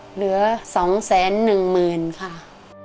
เหลือ๒๑๐๐๐ค่ะ